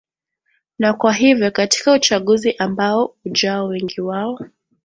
na kwa hivyo katika uchaguzi ambao ujao wengi wao